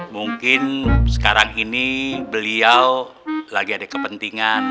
mungkin sekarang ini beliau lagi ada kepentingan